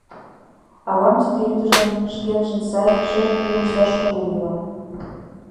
Авам тиде ӱдырым шкенжын сай шешкыжым ышташ шонен ила.